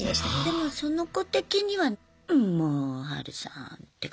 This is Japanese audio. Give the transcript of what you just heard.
でもその子的には「んもうハルさん」って感じで済んだかな？